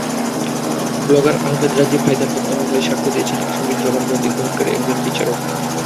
Blogger Ahmed Rajib Haider হত্যা মামলায় সাক্ষ্য দিয়েছেন আসামির জবানবন্দি গ্রহণকারী একজন বিচারক।